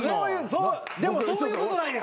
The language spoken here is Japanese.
でもそういうことなんや。